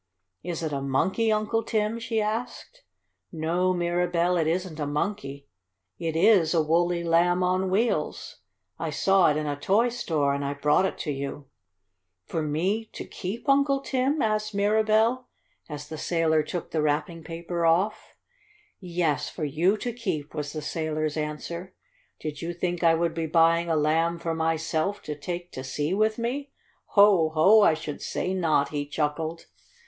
"Is it a monkey, Uncle Tim?" she asked. "No, Mirabell, it isn't a monkey. It is a woolly Lamb on Wheels. I saw it in a toy store and I brought it to you." "For me to keep, Uncle Tim?" asked Mirabell, as the sailor took the wrapping paper off. "Yes, for you to keep," was the sailor's answer. "Did you think I would be buying a Lamb for myself, to take to sea with me? Ho! Ho! I should say not!" he chuckled.